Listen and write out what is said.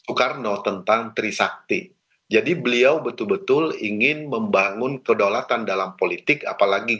the piano tentang tri sakti jadi beliau betul betul ingin membangun kedaulatan dalam politik apalagi